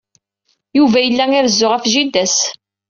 Yuba yella irezzu ɣef jida-s.